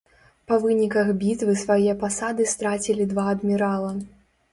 Па выніках бітвы свае пасады страцілі два адмірала.